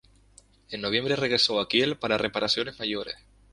En noviembre regresó a Kiel para reparaciones mayores.